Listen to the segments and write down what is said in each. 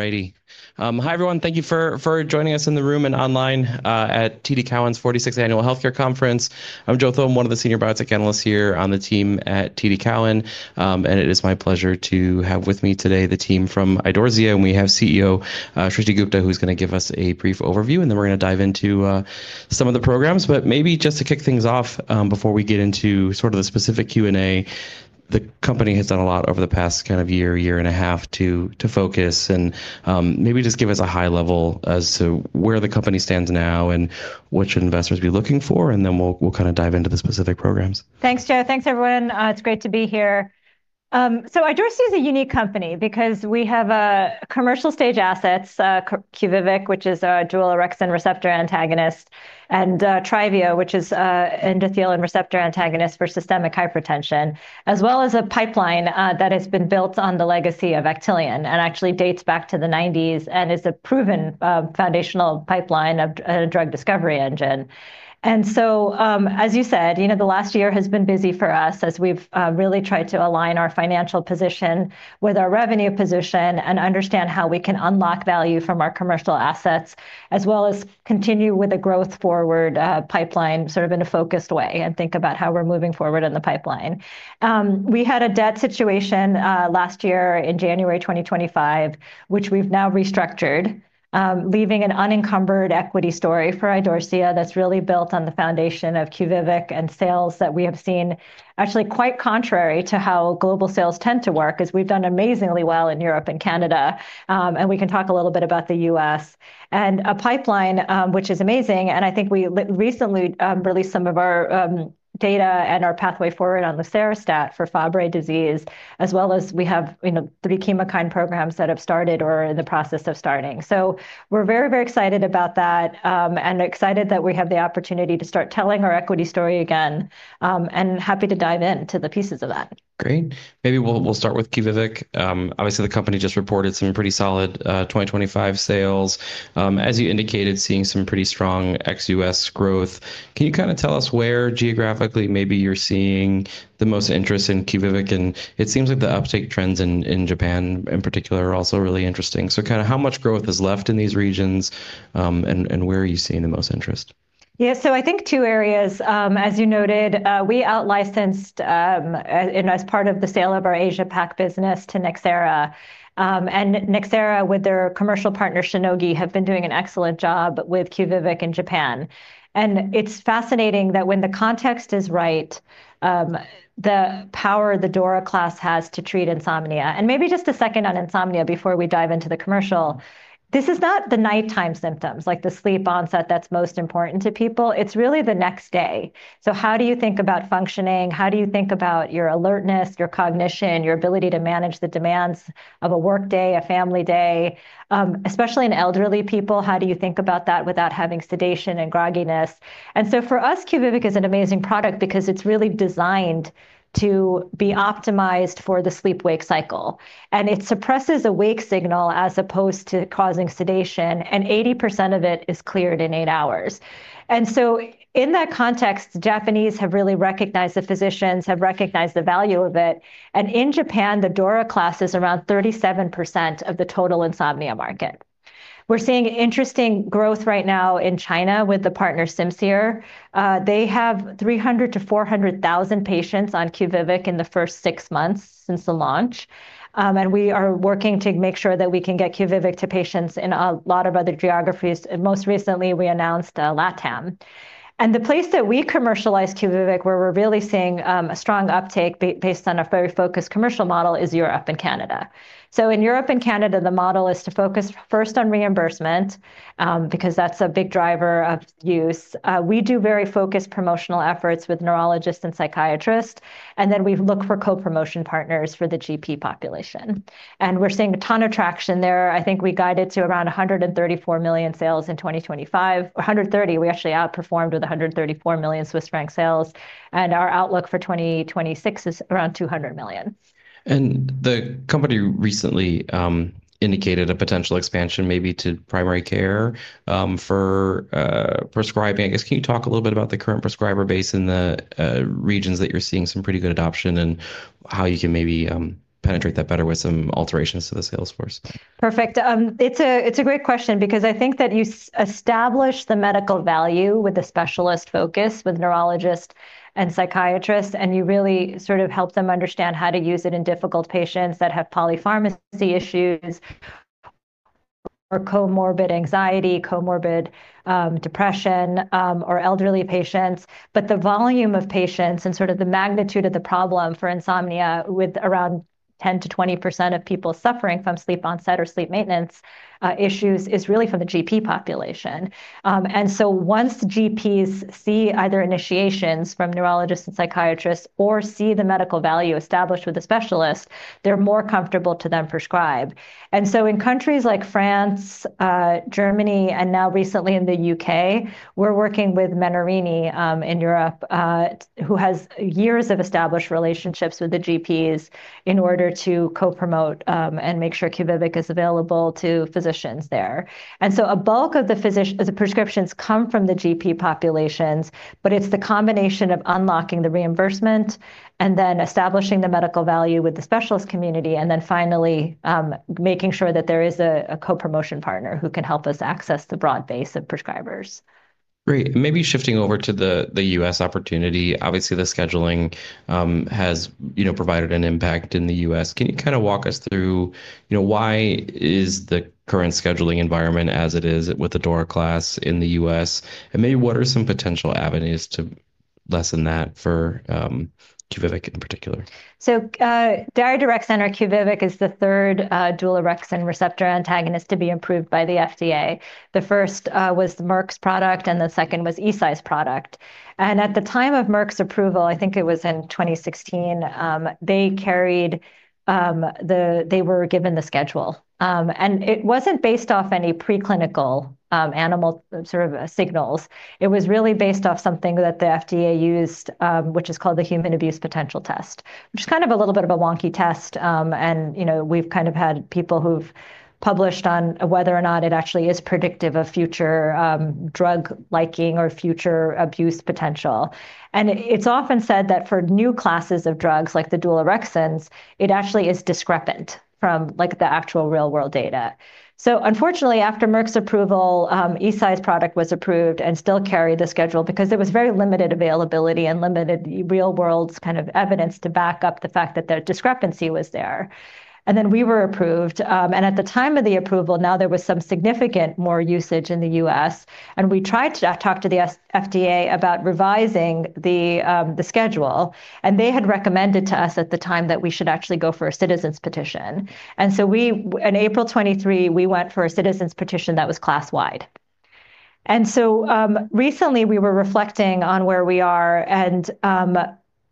All righty. Hi, everyone. Thank you for joining us in the room and online at TD Cowen's 46th Annual Healthcare Conference. I'm Joseph Thome, one of the senior biotech analysts here on the team at TD Cowen. It is my pleasure to have with me today the team from Idorsia, and we have CEO Srishti Gupta, who's gonna give us a brief overview, and then we're gonna dive into some of the programs. Maybe just to kick things off, before we get into sort of the specific Q&A, the company has done a lot over the past kind of year and a half to focus and maybe just give us a high level as to where the company stands now and what should investors be looking for, and then we'll kinda dive into the specific programs. Thanks, Joe. Thanks, everyone. It's great to be here. Idorsia is a unique company because we have commercial stage assets, Quviviq, which is a dual orexin receptor antagonist, andTryvio, which is an endothelin receptor antagonist for systemic hypertension, as well as a pipeline that has been built on the legacy of Actelion, and actually dates back to the 90's and is a proven foundational pipeline of drug discovery engine. As you said, you know, the last year has been busy for us as we've really tried to align our financial position with our revenue position and understand how we can unlock value from our commercial assets, as well as continue with the growth-forward pipeline sort of in a focused way and think about how we're moving forward in the pipeline. We had a debt situation last year in January 2025, which we've now restructured, leaving an unencumbered equity story for Idorsia that's really built on the foundation of Quviviq and sales that we have seen actually quite contrary to how global sales tend to work, is we've done amazing..ly well in Europe and Canada, and we can talk a little bit about the U.S.. A pipeline which is amazing, and I think we recently released some of our data and our pathway forward on lucerastat for Fabry disease, as well as we have, you know, three chemokine programs that have started or are in the process of starting. We're very, very excited about that, and excited that we have the opportunity to start telling our equity story again, and happy to dive into the pieces of that. Great. Maybe we'll start with Quviviq. Obviously, the company just reported some pretty solid, 2025 sales, as you indicated, seeing some pretty strong ex-U.S. growth. Can you kinda tell us where geographically maybe you're seeing the most interest in Quviviq? And it seems like the uptake trends in Japan in particular are also really interesting. So kinda how much growth is left in these regions, and where are you seeing the most interest? Yeah. I think two areas. As you noted, we out-licensed, and as part of the sale of our Asia-Pacific business to Nxera. Nxera with their commercial partner, Shionogi, have been doing an excellent job with Quviviq in Japan. It's fascinating that when the context is right, the power the DORA class has to treat insomnia. Maybe just a second on insomnia before we dive into the commercial. This is not the nighttime symptoms, like the sleep onset that's most important to people. It's really the next day. How do you think about functioning? How do you think about your alertness, your cognition, your ability to manage the demands of a workday, a family day? Especially in elderly people, how do you think about that without having sedation and grogginess? For us, Quviviq is an amazing product because it's really designed to be optimized for the sleep-wake cycle, and it suppresses a wake signal as opposed to causing sedation, and 80% of it is cleared in eight hours. In that context, the Japanese have really recognized, the physicians have recognized the value of it, and in Japan, the DORA class is around 37% of the total insomnia market. We're seeing interesting growth right now in China with the partner Simcere. They have 300,000-400,000 patients on Quviviq in the first six months since the launch, and we are working to make sure that we can get Quviviq to patients in a lot of other geographies. Most recently, we announced LATAM. The place that we commercialize Quviviq, where we're really seeing, a strong uptake based on a very focused commercial model, is Europe and Canada. In Europe and Canada, the model is to focus first on reimbursement, because that's a big driver of use. We do very focused promotional efforts with neurologists and psychiatrists, then we look for co-promotion partners for the GP population. We're seeing a ton of traction there. I think I guided to around 134 million sales in 2025. 130, we actually outperformed with 134 million Swiss franc sales, and our outlook for 2026 is around 200 million. The company recently indicated a potential expansion maybe to primary care for prescribing. I guess, can you talk a little bit about the current prescriber base in the regions that you're seeing some pretty good adoption and how you can maybe penetrate that better with some alterations to the sales force? Perfect. It's a great question because I think that you establish the medical value with the specialist focus with neurologists and psychiatrists, and you really sort of help them understand how to use it in difficult patients that have polypharmacy issues or comorbid anxiety, comorbid depression, or elderly patients. The volume of patients and sort of the magnitude of the problem for insomnia with around 10%-20% of people suffering from sleep onset or sleep maintenance issues is really from the GP population. Once GPs see either initiations from neurologists and psychiatrists or see the medical value established with a specialist, they're more comfortable to then prescribe. In countries like France, Germany, and now recently in the U.K., we're working with Menarini, in Europe, who has years of established relationships with the GPs in order to co-promote, and make sure Quviviq is available to physicians there. A bulk of the prescriptions come from the GP populations, but it's the combination of unlocking the reimbursement and then establishing the medical value with the specialist community, and then finally, making sure that there is a co-promotion partner who can help us access the broad base of prescribers. Great. Maybe shifting over to the U.S. opportunity. Obviously, the scheduling has, you know, provided an impact in the U.S.. Can you kind of walk us through, you know, why is the current scheduling environment as it is with the DORA class in the U.S., and maybe what are some potential avenues to lessen that for Quviviq in particular? So, Daridorexant or Quviviq is the third dual orexin receptor antagonist to be approved by the FDA. The first was Merck's product, and the second was Eisai's product. At the time of Merck's approval, I think it was in 2016, they were given the schedule. It wasn't based off any preclinical animal sort of signals. It was really based off something that the FDA used, which is called the human abuse potential test. Which is kind of a little bit of a wonky test, and, you know, we've kind of had people who've published on whether or not it actually is predictive of future drug liking or future abuse potential. It's often said that for new classes of drugs like the dual orexins, it actually is discrepant from, like, the actual real world data. Unfortunately, after Merck's approval, Eisai's product was approved and still carried the schedule because there was very limited availability and limited real world kind of evidence to back up the fact that the discrepancy was there. We were approved, and at the time of the approval, now there was some significant more usage in the U.S., and we tried to talk to the FDA about revising the schedule. They had recommended to us at the time that we should actually go for a Citizen Petition. In April 2023, we went for a Citizen Petition that was class-wide. Recently we were reflecting on where we are and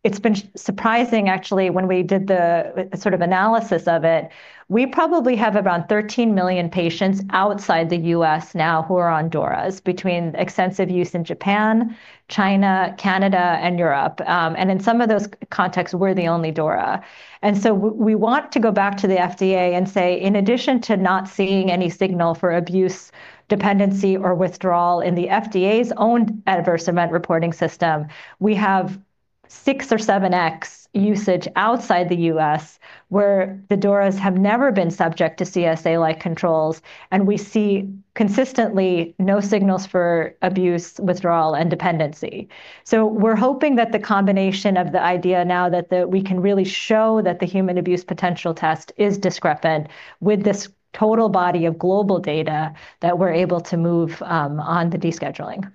it's been surprising actually when we did the sort of analysis of it. We probably have around 13 million patients outside the U.S. now who are on DORAs between extensive use in Japan, China, Canada, and Europe. In some of those contexts, we're the only DORA. We want to go back to the FDA and say, in addition to not seeing any signal for abuse dependency or withdrawal in the FDA's own adverse event reporting system, we have six or seven x usage outside the U.S. where the DORAs have never been subject to CSA-like controls, and we see consistently no signals for abuse, withdrawal, and dependency. We're hoping that the combination of the idea now that we can really show that the human abuse potential test is discrepant with this total body of global data that we're able to move on the descheduling.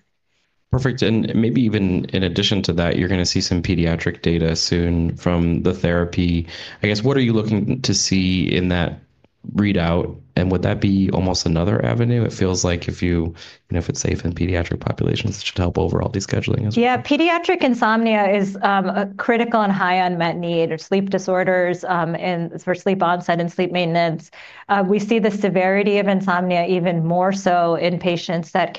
Perfect. Maybe even in addition to that, you're going to see some pediatric data soon from the therapy. I guess, what are you looking to see in that readout, and would that be almost another avenue? It feels like if you know, if it's safe in pediatric populations, it should help overall descheduling as well. Yeah. Pediatric insomnia is a critical and high unmet need or sleep disorders, and for sleep onset and sleep maintenance. We see the severity of insomnia even more so in patients that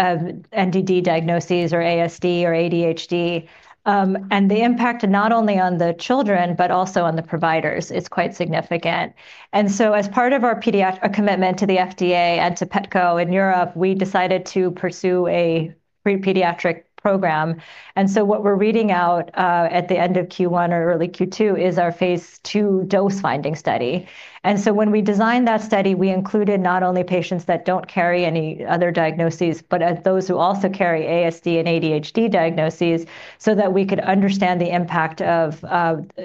carry NDD diagnoses or ASD or ADHD. The impact not only on the children, but also on the providers is quite significant. As part of our pediatric commitment to the FDA and to PDCO in Europe, we decided to pursue a pre-pediatric program. What we're reading out at the end of Q1 or early Q2 is our phase 2 dose-finding study. When we designedact of,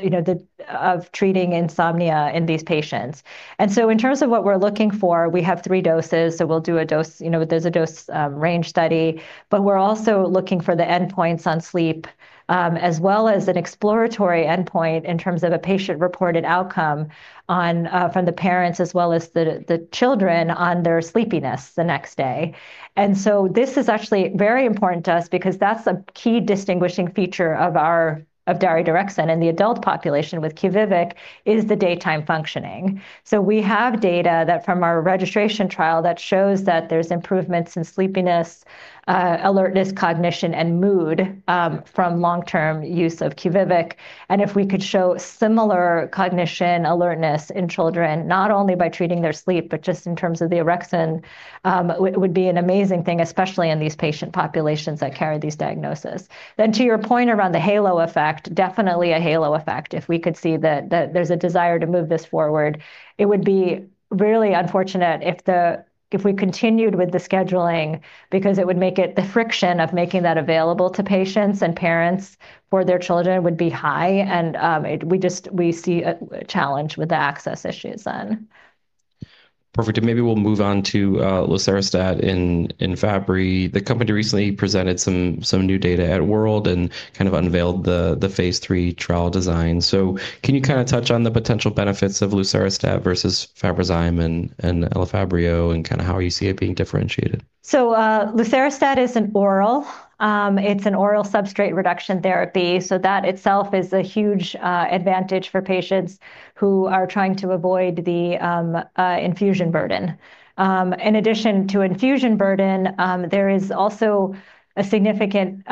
you know, of treating insomnia in these patients. In terms of what we're looking for, we have three doses. So we'll do a dose, you know, there's a dose range study, but we're also looking for the endpoints on sleep, as well as an exploratory endpoint in terms of a patient-reported outcome on, from the parents as well as the children on their sleepiness the next day. This is actually very important to us because that's a key distinguishing feature of our, of daridorexant in the adult population with Quviviq is the daytime functioning. We have data that from our registration trial that shows that there's improvements in sleepiness, alertness, cognition, and mood from long-term use of Quviviq. If we could show similar cognition alertness in children not only by treating their sleep, but just in terms of the orexin, it would be an amazing thing, especially in these patient populations that carry these diagnoses. To your point around the halo effect, definitely a halo effect. If we could see that there's a desire to move this forward, it would be really unfortunate if we continued with the scheduling because it would make the friction of making that available to patients and parents for their children would be high and, it, we just, we see a challenge with the access issues then. Perfect. Maybe we'll move on to lucerastat in Fabry. The company recently presented some new data at World and kind of unveiled the phase 3 trial design. Can you kind of touch on the potential benefits of lucerastat versus Fabrazyme and Elfabrio and kind of how you see it being differentiated? Lucerastat is an oral, it's an oral substrate reduction therapy, that itself is a huge advantage for patients who are trying to avoid the infusion burden. In addition to infusion burden, there is also a significant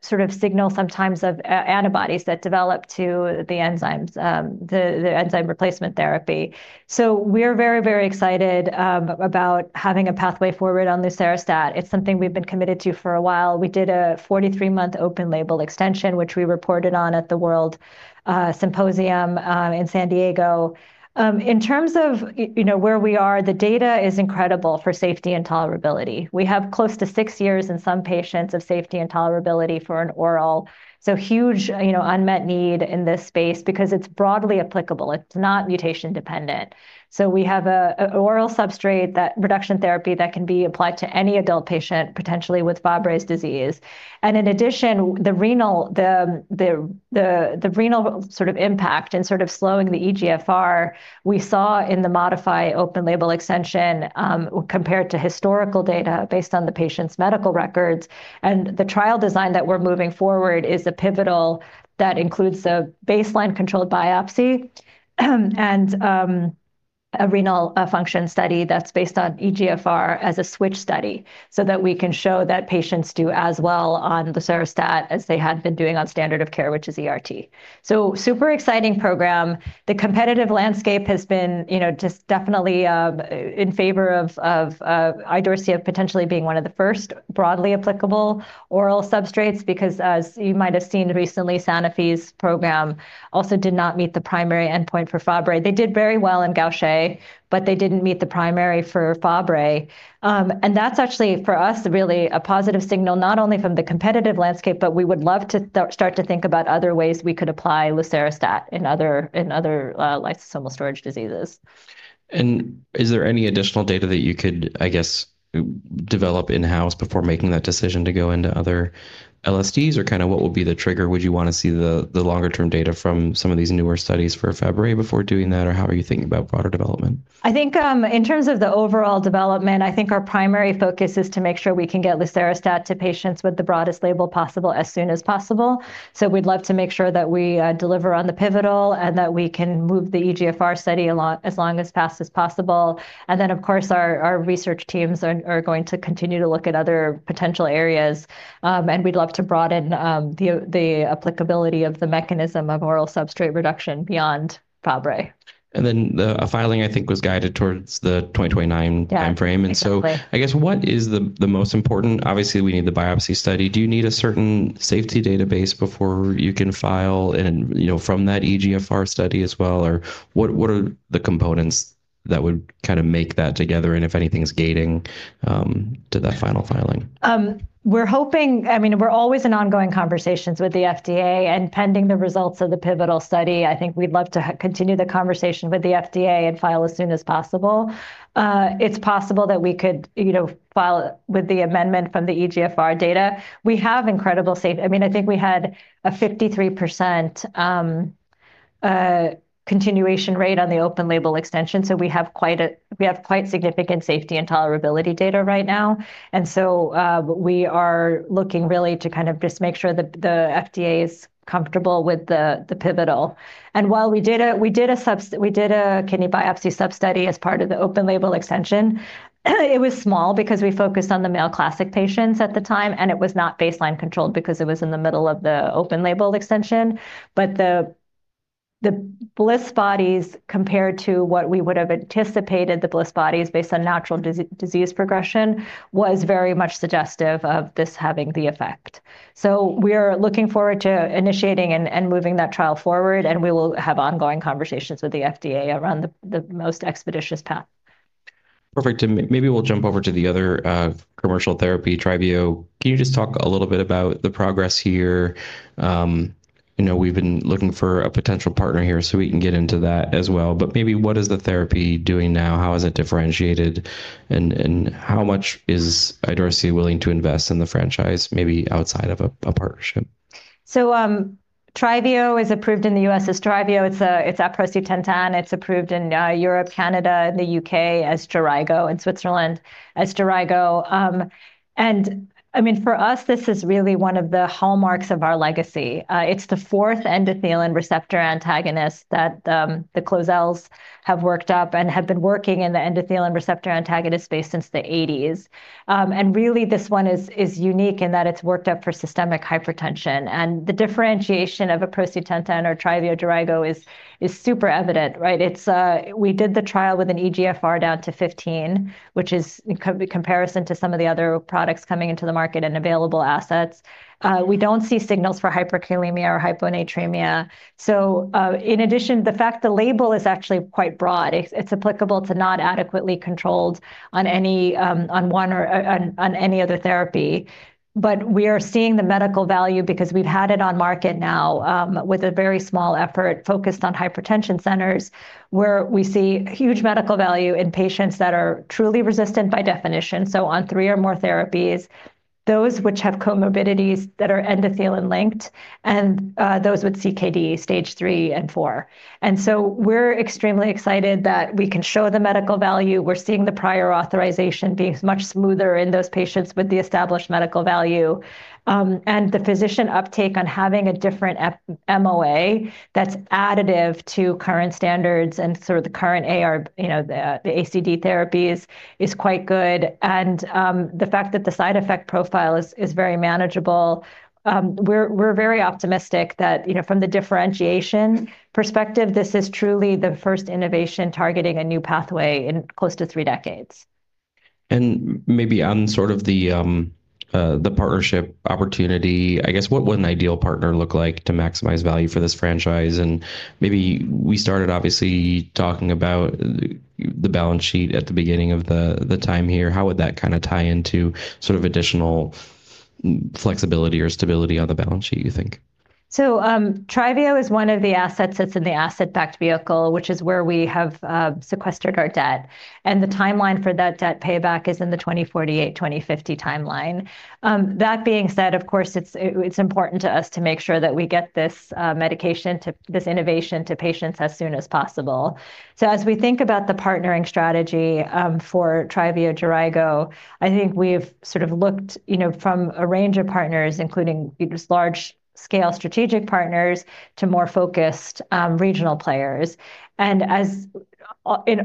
sort of signal sometimes of antibodies that develop to the enzymes, the Enzyme replacement therapy. We're very, very excited about having a pathway forward on lucerastat. It's something we've been committed to for a while. We did a 43-month open label extension, which we reported on at the WORLDSymposium in San Diego. In terms of, you know, where we are, the data is incredible for safety and tolerability. We have close to six years in some patients of safety and tolerability for an oral, huge, you know, unmet need in this space because it's broadly applicable. It's not mutation dependent. We have a oral substrate that reduction therapy that can be applied to any adult patient, potentially with Fabry disease. In addition, the renal sort of impact and sort of slowing the eGFR, we saw in the MODIFY open label extension compared to historical data based on the patient's medical records. The trial design that we're moving forward is the pivotal that includes a baseline controlled biopsy. A renal function study that's based on eGFR as a switch study so that we can show that patients do as well on lucerastat as they had been doing on standard of care, which is ERT. Super exciting program. The competitive landscape has been, you know, just definitely in favor of Idorsia potentially being one of the first broadly applicable oral substrates because as you might have seen recently, Sanofi's program also did not meet the primary endpoint for Fabry. They did very well in Gaucher, they didn't meet the primary for Fabry. That's actually for us, really a positive signal, not only from the competitive landscape, but we would love to start to think about other ways we could apply lucerastat in other lysosomal storage diseases. Is there any additional data that you could, I guess, develop in-house before making that decision to go into other LSDs? Kind of what will be the trigger? Would you want to see the longer term data from some of these newer studies for Fabry before doing that? How are you thinking about product development? I think, in terms of the overall development, I think our primary focus is to make sure we can get lucerastat to patients with the broadest label possible as soon as possible. We'd love to make sure that we deliver on the pivotal and that we can move the eGFR study along, as fast as possible. Then, of course, our research teams are going to continue to look at other potential areas. We'd love to broaden the applicability of the mechanism of oral substrate reduction beyond Fabry. A filing, I think, was guided towards the 2029. Yeah... timeframe. Exactly. I guess what is the most important? Obviously, we need the biopsy study. Do you need a certain safety database before you can file and, you know, from that eGFR study as well? What are the components that would kinda make that together? If anything's gating to that final filing? I mean, we're always in ongoing conversations with the FDA, and pending the results of the pivotal study, I think we'd love to continue the conversation with the FDA and file as soon as possible. It's possible that we could, you know, file with the amendment from the eGFR data. I mean, I think we had a 53% continuation rate on the open label extension, so we have quite significant safety and tolerability data right now. We are looking really to kind of just make sure that the FDA is comfortable with the pivotal. While we did a kidney biopsy substudy as part of the open label extension, it was small because we focused on the male classic patients at the time, and it was not baseline controlled because it was in the middle of the open label extension. The bliss bodies, compared to what we would have anticipated the bliss bodies based on natural disease progression, was very much suggestive of this having the effect. We're looking forward to initiating and moving that trial forward, and we will have ongoing conversations with the FDA around the most expeditious path. Perfect. Maybe we'll jump over to the other, commercial therapy, Tryvio. Can you just talk a little bit about the progress here? You know, we've been looking for a potential partner here, we can get into that as well. Maybe what is the therapy doing now? How is it differentiated? How much is Idorsia willing to invest in the franchise, maybe outside of a partnership? Tryvio is approved in the U.S. as Tryvio. It's aprocitentan. It's approved in Europe, Canada, and the U.K. as JERAYGO, in Switzerland as JERAYGO. I mean, for us, this is really one of the hallmarks of our legacy. It's the fourth endothelin receptor antagonist that the Clozel have worked up and have been working in the endothelin receptor antagonist space since the eighties. Really this one is unique in that it's worked up for systemic hypertension. The differentiation of aprocitentan or Tryvio/JERAYGO is super evident, right? It's we did the trial with an eGFR down to 15, which is in co-comparison to some of the other products coming into the market and available assets. We don't see signals for hyperkalemia or hyponatremia. In addition, the fact the label is actually quite broad, it's applicable to not adequately controlled on any, on one or on any other therapy. We are seeing the medical value because we've had it on market now, with a very small effort focused on hypertension centers, where we see huge medical value in patients that are truly resistant by definition, so on three or more therapies, those which have comorbidities that are endothelin linked and, those with CKD stage three and four. We're extremely excited that we can show the medical value. We're seeing the prior authorization being much smoother in those patients with the established medical value. The physician uptake on having a different MOA that's additive to current standards and sort of the current you know, the ASCVD therapies is quite good. The fact that the side effect profile is very manageable, we're very optimistic that, you know, from the differentiation perspective, this is truly the first innovation targeting a new pathway in close to three decades. Maybe on sort of the partnership opportunity, I guess what would an ideal partner look like to maximize value for this franchise? Maybe we started obviously talking about the balance sheet at the beginning of the time here. How would that kind of tie into sort of additional flexibility or stability on the balance sheet, you think? TRYVIO is one of the assets that's in the asset backed vehicle, which is where we have sequestered our debt. The timeline for that debt payback is in the 2048, 2050 timeline. That being said, of course, it's important to us to make sure that we get this medication to this innovation to patients as soon as possible. As we think about the partnering strategy for Tryvio/Trigo, I think we've sort of looked, you know, from a range of partners, including just large scale strategic partners to more focused regional players. In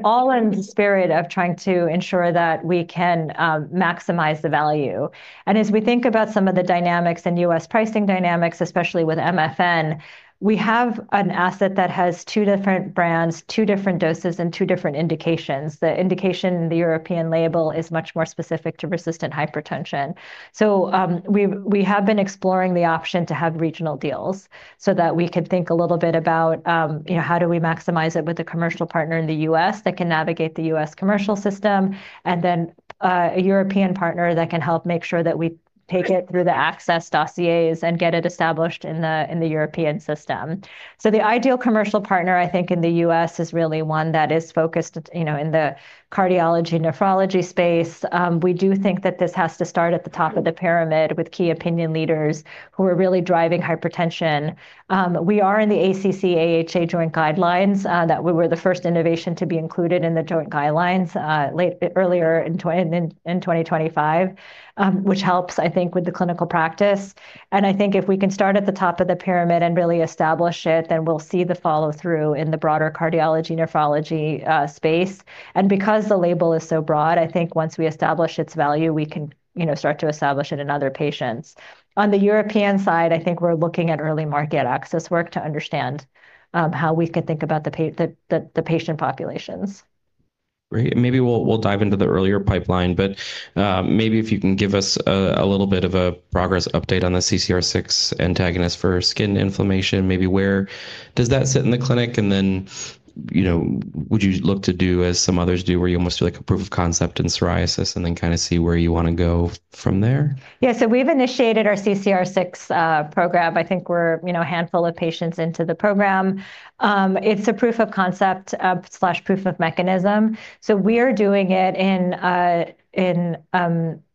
all in the spirit of trying to ensure that we can maximize the value. As we think about some of the dynamics and U.S. pricing dynamics, especially with MFN, we have an asset that has two different brands, two different doses, and two different indications. The indication in the European label is much more specific to persistent hypertension. We have been exploring the option to have regional deals so that we could think a little bit about, you know, how do we maximize it with a commercial partner in the U.S. that can navigate the U.S. commercial system, and then a European partner that can help make sure that we take it through the access dossiers and get it established in the European system. The ideal commercial partner, I think, in the U.S., is really one that is focused, you know, in the cardiology, nephrology space. We do think that this has to start at the top of the pyramid with key opinion leaders who are really driving hypertension. We are in the ACC/AHA joint guidelines that we were the first innovation to be included in the joint guidelines earlier in 2025, which helps, I think, with the clinical practice. I think if we can start at the top of the pyramid and really establish it, then we'll see the follow-through in the broader cardiology, nephrology space. Because the label is so broad, I think once we establish its value, we can, you know, start to establish it in other patients. On the European side, I think we're looking at early market access work to understand how we can think about the patient populations. Great. Maybe we'll dive into the earlier pipeline, but maybe if you can give us a little bit of a progress update on the CCR6 antagonist for skin inflammation, maybe where does that sit in the clinic? Then, you know, would you look to do as some others do, where you almost do like a proof of concept in psoriasis and then kinda see where you wanna go from there? We've initiated our CCR6 program. I think we're, you know, a handful of patients into the program. It's a proof of concept slash proof of mechanism. We're doing it in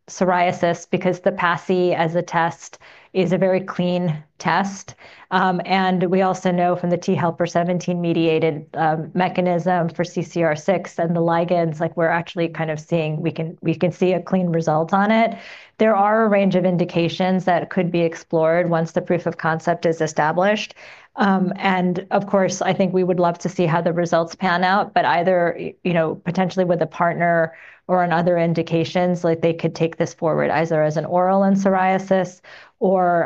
psoriasis because the PASI as a test is a very clean test. We also know from the T helper 17 mediated mechanism for CCR6 and the ligands, like, we're actually kind of seeing, we can see a clean result on it. There are a range of indications that could be explored once the proof of concept is established. Of course, I think we would love to see how the results pan out, but either you know, potentially with a partner or in other indications, like they could take this forward, either as an oral in psoriasis or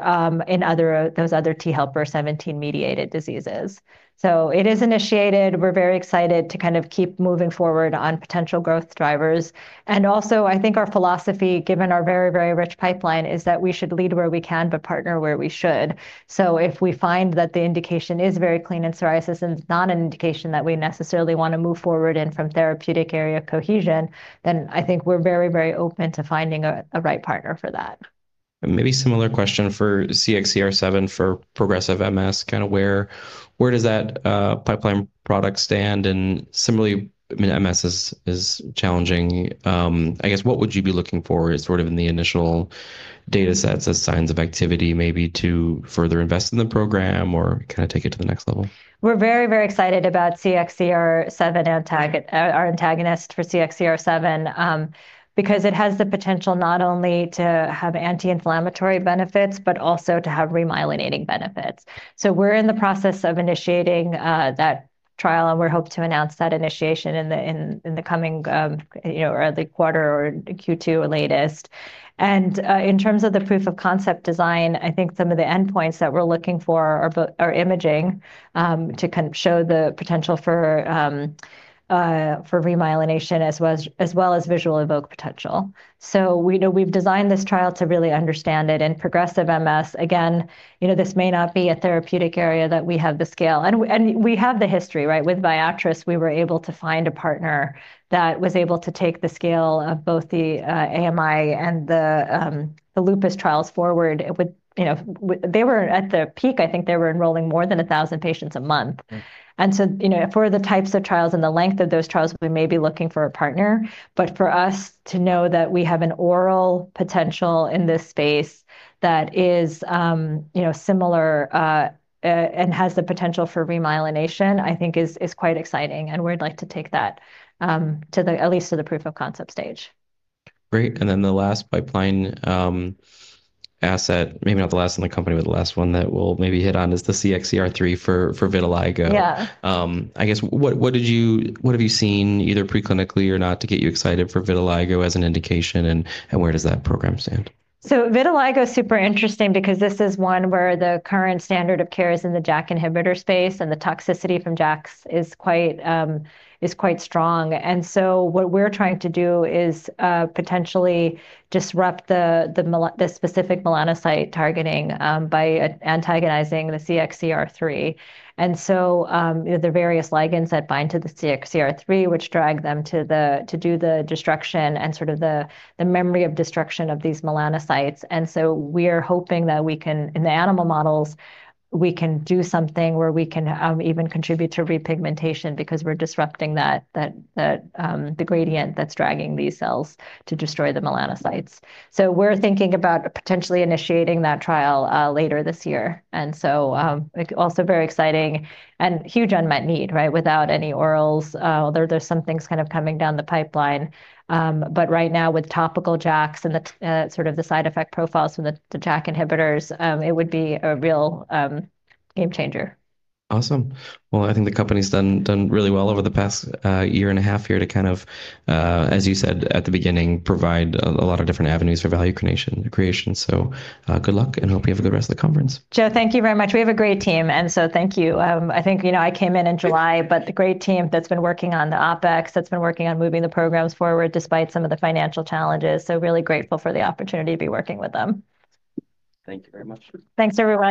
in other, those other T helper 17 mediated diseases. It is initiated. We're very excited to kind of keep moving forward on potential growth drivers. Also, I think our philosophy, given our very, very rich pipeline, is that we should lead where we can, but partner where we should. If we find that the indication is very clean in psoriasis and it's not an indication that we necessarily wanna move forward in from therapeutic area cohesion, then I think we're very, very open to finding a right partner for that. Maybe similar question for CXCR7 for progressive MS, kind of where does that pipeline product stand? Similarly, I mean, MS is challenging, I guess what would you be looking for as sort of in the initial datasets as signs of activity maybe to further invest in the program or kind of take it to the next level? We're very, very excited about CXCR7 our antagonist for CXCR7, because it has the potential not only to have anti-inflammatory benefits, but also to have remyelinating benefits. We're in the process of initiating that trial, and we hope to announce that initiation in the coming, you know, or the quarter or Q2 latest. In terms of the proof of concept design, I think some of the endpoints that we're looking for are imaging, to kind of show the potential for remyelination as well as visual evoked potential. You know, we've designed this trial to really understand it. In progressive MS, again, you know, this may not be a therapeutic area that we have the scale. We have the history, right? With Viatris, we were able to find a partner that was able to take the scale of both the AMI and the lupus trials forward with, you know, they were at the peak, I think they were enrolling more than 1,000 patients a month. Mm-hmm. You know, for the types of trials and the length of those trials, we may be looking for a partner. For us to know that we have an oral potential in this space that is, you know, similar, and has the potential for remyelination, I think is quite exciting, and we'd like to take that at least to the proof of concept stage. Great. The last pipeline asset, maybe not the last in the company, but the last one that we'll maybe hit on is the CXCR3 for vitiligo. Yeah. I guess what have you seen either pre-clinically or not to get you excited for vitiligo as an indication and where does that program stand? Vitiligo is super interesting because this is one where the current standard of care is in the JAK inhibitor space, and the toxicity from JAKs is quite strong. What we're trying to do is potentially disrupt the specific melanocyte targeting by antagonizing the CXCR3. You know, the various ligands that bind to the CXCR3, which drag them to do the destruction and sort of the memory of destruction of these melanocytes. We are hoping that we can, in the animal models, we can do something where we can even contribute to repigmentation because we're disrupting that gradient that's dragging these cells to destroy the melanocytes. We're thinking about potentially initiating that trial later this year. It also very exciting and huge unmet need, right? Without any orals, there's some things kind of coming down the pipeline. Right now with topical JAKs and the sort of the side effect profiles from the JAK inhibitors, it would be a real game changer. Awesome. Well, I think the company's done really well over the past year and a half here to kind of, as you said at the beginning, provide a lot of different avenues for value creation. Good luck, and hope you have for the rest of the conference. Joe, thank you very much. We have a great team and so thank you. I think, you know, I came in in July, but the great team that's been working on the OPEX, that's been working on moving the programs forward despite some of the financial challenges, so really grateful for the opportunity to be working with them. Thank you very much. Thanks, everyone.